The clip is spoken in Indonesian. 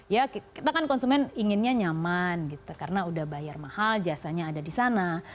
ya kita kan konsumen inginnya nyaman gitu karena udah bayar mahal jasanya ada di sana